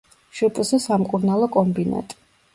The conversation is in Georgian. შპს სამკურნალო კომბინატი.